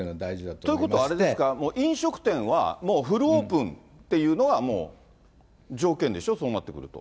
ということはあれですか、飲食店はもうフルオープンっていうのがもう条件でしょ、そうなってくると。